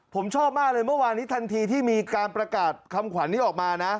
ผมชอบมากเลยเมื่อวานนี้ทันทีที่มีการประกาศคำขวัญนี้ออกมานะ